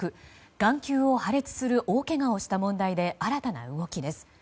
眼球を破裂する大けがをした問題で新たな動きです。